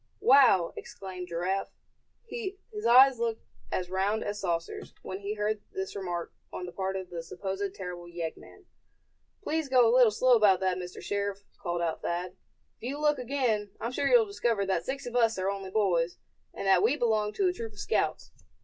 "Wow!" exclaimed Giraffe, his eyes looking as round as saucers, when he heard this remark on the part of the supposed terrible yeggman. "Please go a little slow about that, Mr. Sheriff!" called out Thad. "If you look again, I'm sure you'll discover that six of us are only boys, and that we belong to a troop of scouts.